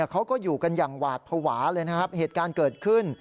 เขาก็อยู่กันอย่างหวาดภาวะเลยนะครับเหตุการณ์เกิดขึ้น